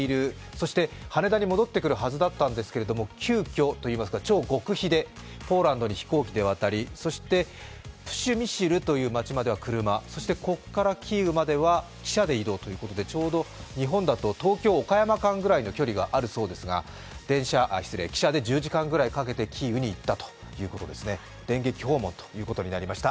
そして羽田に戻ってくるはずだったんですが、急きょと言いますか、超極秘でポーランドまで飛行機で渡りそしてプシュミシルという町までは車、ここからキーウまでは汽車で移動ということで、ちょうど日本だと東京−岡山間くらいの距離があるそうですが汽車で１０時間くらいかけてキーウに行ったということで電撃訪問ということになりました。